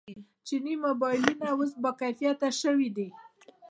چیني موبایلونه اوس باکیفیته شوي دي.